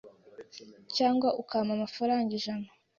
cyangwa ukampa amafaranga ijana